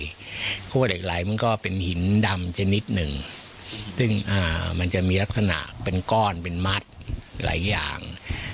เพราะว่าเหล็กไหลมันก็เป็นหินดำชนิดหนึ่งซึ่งมันจะมีลักษณะเป็นก้อนเป็นมัดหลายอย่าง